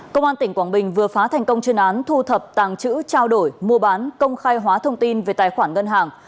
công an tỉnh quảng bình vừa phá thành công chuyên án thu thập tàng chữ trao đổi mua bán công khai hóa thông tin về tài khoản ngân hàng